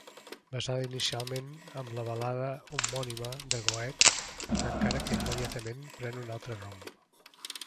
Basada inicialment en la balada homònima de Goethe, encara que immediatament pren un altre rumb.